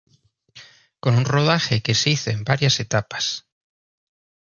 Con un rodaje que se hizo en varias etapas.